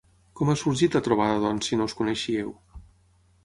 Com ha sorgit la trobada, doncs, si no us coneixíeu?